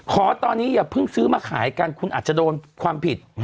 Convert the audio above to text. ขอตอนนี้อย่าเพิ่งซื้อมาขายกันคุณอาจจะโดนความผิด